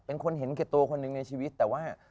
เป็นคนเห็นแก่ตัวคนหนึ่งในชีวิตแต่ว่า